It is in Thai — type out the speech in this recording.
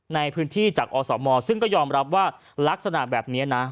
ในพื้นที่จากอสมซึ่งก็ยอมรับว่าลักษณะแบบนี้นะ